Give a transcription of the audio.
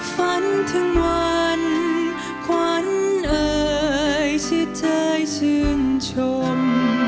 ฝันถึงวันขวัญเอ่ยชื่อเธอชื่นชม